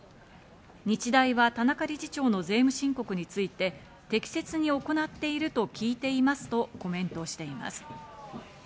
日大は田中理事長の税務申告について、適切に行っていると聞いていますとコメントしています。